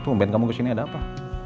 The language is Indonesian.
tumpahin kamu kesini ada apa